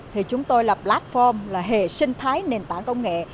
thì chúng tôi là platform hệ sinh thái nền tảng công nghệ